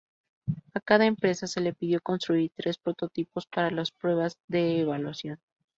A cada empresa se le pidió construir tres prototipos para las pruebas de evaluación.